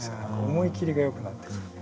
思い切りがよくなってくる。